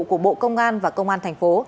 của bộ công an và công an thành phố